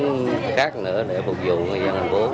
khác nữa để phục vụ người dân thành phố